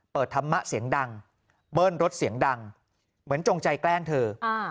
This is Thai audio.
ธรรมะเสียงดังเบิ้ลรถเสียงดังเหมือนจงใจแกล้งเธอ